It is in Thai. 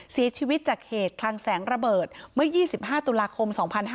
เสียชีวิตจากเหตุคลังแสงระเบิดเมื่อ๒๕ตุลาคม๒๕๕๙